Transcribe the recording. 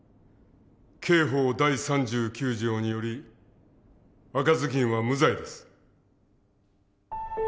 刑法第３９条により赤ずきんは無罪です。